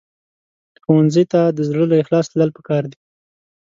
ښوونځی ته د زړه له اخلاصه تلل پکار دي